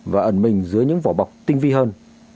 và ẩn mình dưới những vỏ bọc tinh vi hơn